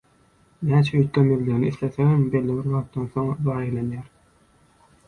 näçe üýtgemezligini islesegem belli bir wagtdan soň zaýalanýar.